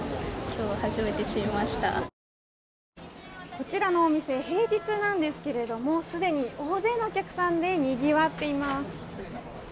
こちらのお店平日なんですけれどもすでに大勢のお客さんでにぎわっています。